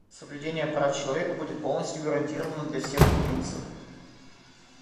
Соблюдение прав человека будет полностью гарантировано для всех кубинцев.